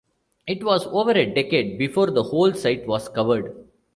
It was over a decade before the whole site was covered.